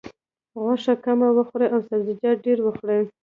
غوښه کمه وخوره او سبزیجات ډېر وخوره.